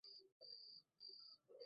সাকিবের ওভারের পর ঝেঁপে নামল বৃষ্টি।